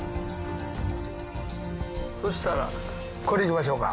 そしたらこれいきましょうか。